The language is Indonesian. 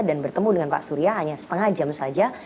dan bertemu dengan pak surya hanya setengah jam saja